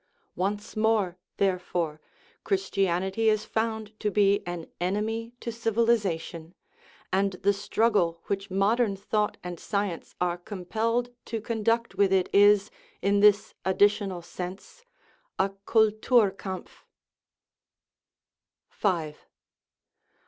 Once more, therefore, Christianity is found to be an enemy to civili 356 OUR MONISTIC ETHICS zation, and the struggle which modern thought and science are compelled to conduct with it is, in this addi tional sense, a " cultur kampf ."